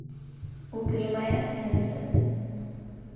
O clima era cinza.